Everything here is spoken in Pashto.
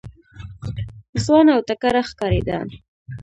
ځوان او تکړه ښکارېده.